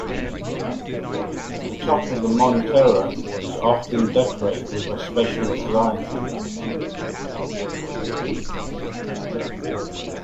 The top of the montera is often decorated with a special design.